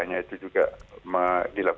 karena itu juga yang kita lakukan